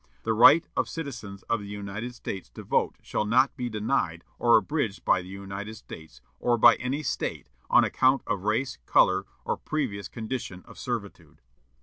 The right of citizens of the United States to vote shall not be denied or abridged by the United States, or by any State, on account of race, color, or previous condition of servitude."